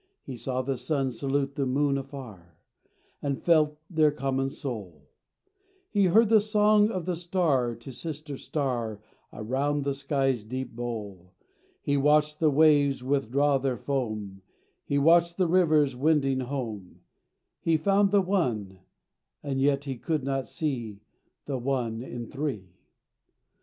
He saw the sun salute the moon afar, And felt their common soul; He heard the song of star to sister star Around the sky's deep bowl; He watched the waves withdraw their foam, He watched the rivers wending home: He found the One, and yet he could not see The One in Three.